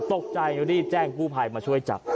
ตกใจอยู่ที่แจ้งกู้พายมาช่วยจับ